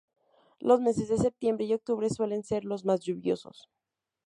Los meses de setiembre y octubre suelen ser los más lluviosos.